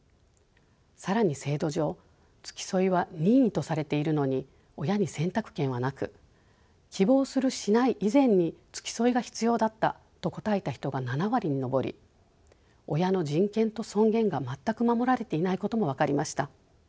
更に制度上付き添いは任意とされているのに親に選択権はなく希望するしない以前に付き添いが必要だったと答えた人が７割に上り親の人権と尊厳が全く守られていないことも分かりました。